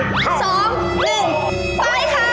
๓๒๑ไปค่ะ